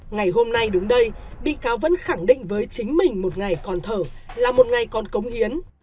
ngày hôm nay đúng đây bị cáo vẫn khẳng định với chính mình một ngày còn thở là một ngày còn cống hiến